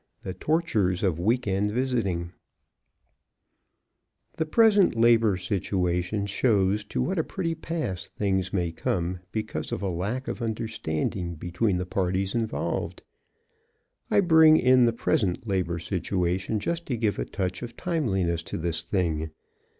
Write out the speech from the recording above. IV THE TORTURES OF WEEK END VISITING The present labor situation shows to what a pretty pass things may come because of a lack of understanding between the parties involved. I bring in the present labor situation just to give a touch of timeliness to this thing.